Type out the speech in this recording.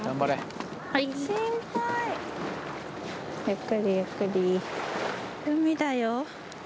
はいゆっくりゆっくり海だよ